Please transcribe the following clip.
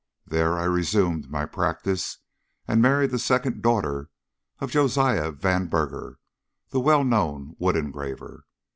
There I resumed my practice, and married the second daughter of Josiah Vanburger, the well known wood engraver.